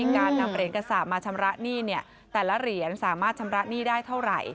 การนำเหรียญกระสาปมาชำระหนี้แต่ละเหรียญสามารถชำระหนี้ได้เท่าไหร่